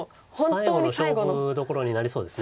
最後の勝負どころになりそうです。